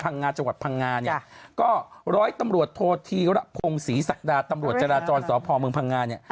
งาจังหวัดพังงาเนี่ยก็ร้อยตำรวจโทษธีระพงศรีศักดาตำรวจจราจรสพเมืองพังงาเนี่ย